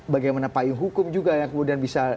bagaimana payung hukum juga yang kemudian bisa